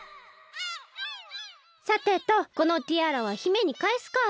さてとこのティアラは姫にかえすか。